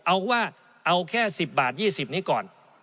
เอาว่าเอาแค่๑๐บาท๒๐นี้ก่อน